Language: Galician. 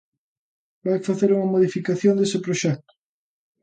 ¿Vai facer unha modificación dese proxecto?